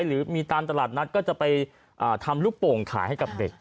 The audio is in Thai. หรือมีตามตลาดนัดก็จะไปทำลูกโป่งขายให้กับเด็ก